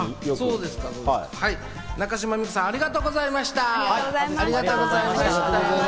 中島美嘉さん、ありがとうございました。